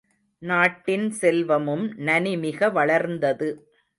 நாட்டின் செல்வமும் நனிமிக வளர்ந்தது.